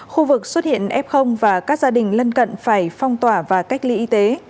khu vực xuất hiện f và các gia đình lân cận phải phong tỏa và cách ly y tế